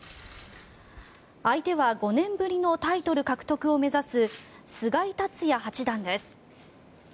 相手は５年ぶりのタイトル獲得を目指す菅井竜也八段です。